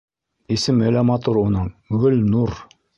Исеме лә матур уның - Гөлнур.